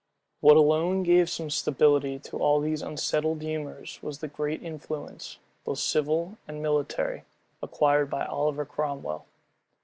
What alone gave some stability to all these unsettled humors was the great influence, both civil and military, acquired by Oliver Cromwell.